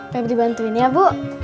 mau dibantuin ya bu